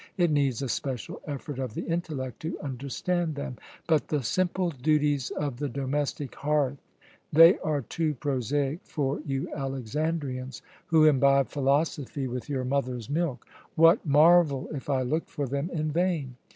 It needs a special effort of the intellect to understand them. But the simple duties of the domestic hearth! they are too prosaic for you Alexandrians, who imbibe philosophy with your mothers' milk. What marvel, if I looked for them in vain?